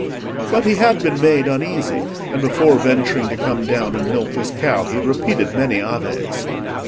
But he had been made uneasy, and before venturing to come down and milk his cow, he had repeated many Aves.